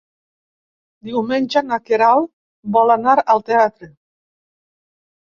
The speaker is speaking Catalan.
Diumenge na Queralt vol anar al teatre.